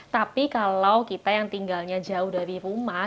tapi kalau kita yang tinggalnya jauh dari rumah